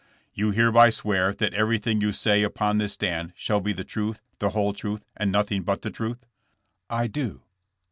You hereby swear that everything you say upon this stand shall be the truth, the whole truth, and nothing but the truth ?*' *'I do.'